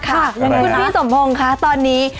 คุณพี่สมพงศ์คะตอนนี้